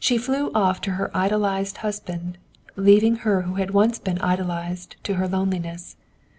She flew off to her idolized husband, leaving her who had once been idolized to her loneliness.